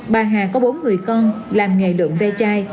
bà hà có bốn người con làm nghề đựng ve chai